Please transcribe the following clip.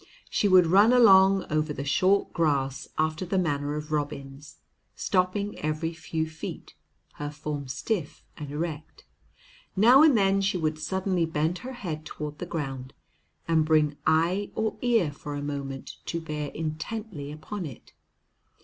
She would run along over the short grass after the manner of robins, stopping every few feet, her form stiff and erect. Now and then she would suddenly bend her head toward the ground and bring eye or ear for a moment to bear intently upon it.